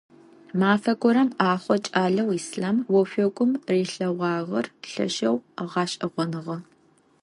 Мафэ горэм ӏэхъо кӏалэу Ислъам ошъогум рилъэгъуагъэр лъэшэу гъэшӏэгъоныгъэ.